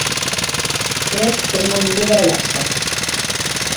Crec que és molt millor barallar-se.